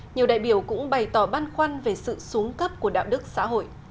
nhiều đại biểu cũng bày tỏ băn khoăn về sự xuống cấp của đạo đức xã hội